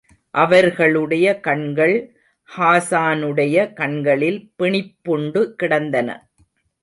அவர்களுடைய கண்கள் ஹாஸானுடைய கண்களில் பிணிப்புண்டு கிடந்தன.